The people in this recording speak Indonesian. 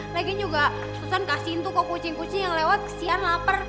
lagian juga susan kasihin tuh ke kucing kucing yang lewat kesian lapar